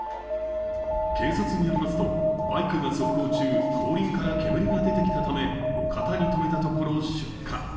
警察によりますと、バイクが走行中後輪から煙が出てきたため路肩に止めたところ出火。